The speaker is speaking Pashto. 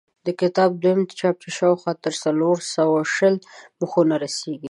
د کتاب دویم چاپ چې شاوخوا تر څلور سوه شل مخونو رسېږي.